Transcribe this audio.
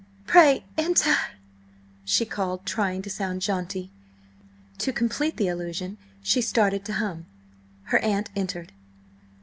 "Pray enter!" she called, trying to sound jaunty. To complete the illusion, she started to hum. Her aunt entered.